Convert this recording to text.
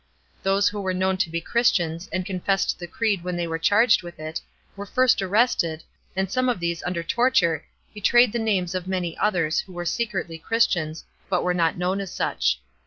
Those who were known to he Christian*, and confessed the creed when they were charged with it, were first arrested, and some of these, und^r torture, betrayed the names of many others who were secretly Christians, but were not known as such.